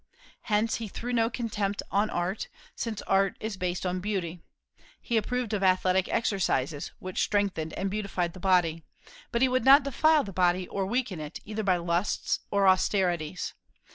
Hence he threw no contempt on art, since art is based on beauty. He approved of athletic exercises, which strengthened and beautified the body; but he would not defile the body or weaken it, either by lusts or austerities.